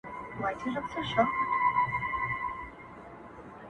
درته دعاوي هر ماښام كومه”